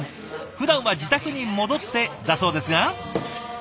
ふだんは自宅に戻ってだそうですが。